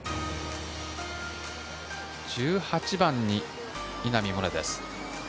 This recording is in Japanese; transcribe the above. １８番に稲見萌寧です。